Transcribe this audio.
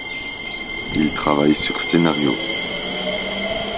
Ils travaillaient sur scénario.